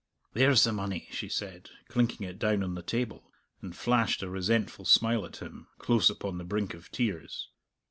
"There's the money!" she said, clinking it down on the table, and flashed a resentful smile at him, close upon the brink of tears.